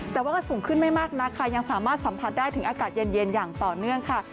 แต่ว่าก็สูงขึ้นไม่มากนักค่ะยังสามารถสัมผัสได้ถึงอากาศเย็นอย่างต่อเนื่องค่ะ